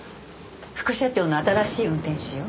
副社長の新しい運転手よ。